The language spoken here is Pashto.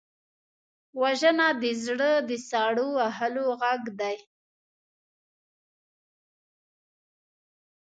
وژنه د زړه د سړو وهلو غږ دی